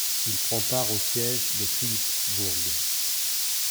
Il prend part au siège de Philippsbourg.